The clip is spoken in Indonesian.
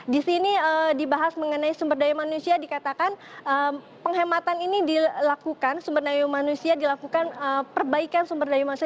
di sini dibahas mengenai sumber daya manusia dikatakan penghematan ini dilakukan sumber daya manusia dilakukan perbaikan sumber daya manusia